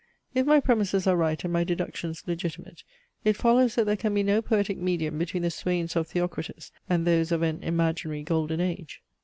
If my premises are right and my deductions legitimate, it follows that there can be no poetic medium between the swains of Theocritus and those of an imaginary golden age.